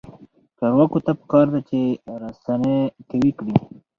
چارواکو ته پکار ده چې، رسنۍ قوي کړي.